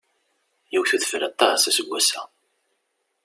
Yewwet udeffel aṭaṣ aseggas-a.